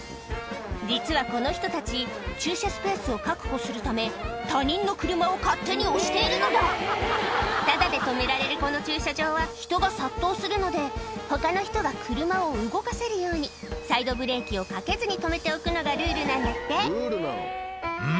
実はこの人たち駐車スペースを確保するため他人の車を勝手に押しているのだタダで止められるこの駐車場は人が殺到するので他の人が車を動かせるようにサイドブレーキをかけずに止めておくのがルールなんだってん？